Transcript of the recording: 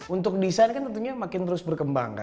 untuk desain kan tentunya makin terus berkembang kan